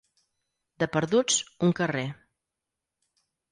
De perduts, un carrer.